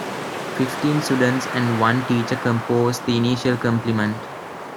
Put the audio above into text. Fifteen students and one teacher composed the initial complement.